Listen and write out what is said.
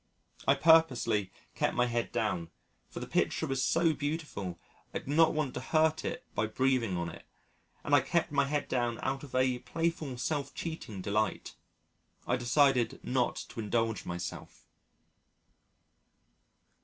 I purposely kept my head down, for the picture was so beautiful I did not want to hurt it by breathing on it, and I kept my head down out of a playful self cheating delight; I decided not to indulge myself.